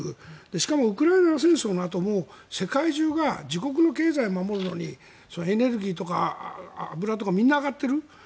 しかもウクライナ戦争のあとも世界中が自国の経済を守るのにエネルギーとか油とかみんな上がっている。